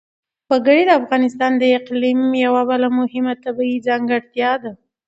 وګړي د افغانستان د اقلیم یوه بله مهمه طبیعي ځانګړتیا ده.